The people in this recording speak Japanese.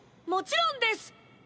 もちろんです。